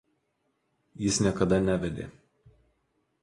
Jis niekada nevedė.